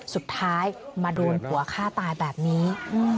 สุดท้ายมาโดนผัวฆ่าตายแบบนี้